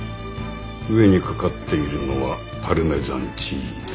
上にかかっているのはパルメザンチーズ？